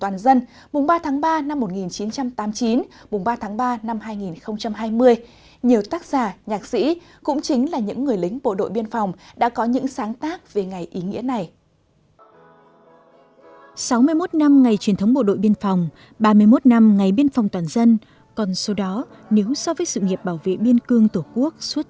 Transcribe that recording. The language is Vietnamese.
sáu mươi một năm ngày truyền thống bộ đội biên phòng mùng ba tháng ba năm một nghìn chín trăm năm mươi chín mùng ba tháng ba năm hai nghìn hai mươi ba mươi một năm ngày biên phòng toàn dân mùng ba tháng ba năm một nghìn chín trăm tám mươi chín mùng ba tháng ba năm hai nghìn hai mươi